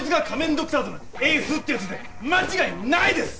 ドクターズのエースってやつで間違いないです！